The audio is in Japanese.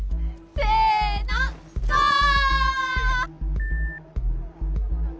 せのゴール！